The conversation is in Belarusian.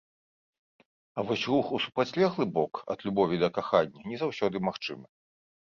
А вось рух у супрацьлеглы бок, ад любові да кахання, не заўсёды магчымы.